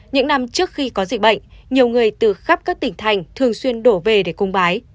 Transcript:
những năm trước khi có dịch bệnh nhiều người từ khắp các tỉnh thành thường xuyên đổ về để cung bái